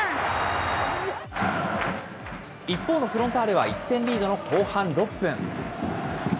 一方のフロンターレは、１点リードの後半６分。